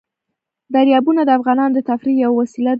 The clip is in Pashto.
دریابونه د افغانانو د تفریح یوه وسیله ده.